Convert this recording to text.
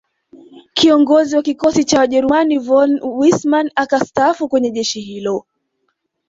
Kiongozi wa Kikosi cha Wajerumani von Wissmann akastaafu kwenye jeshi hilo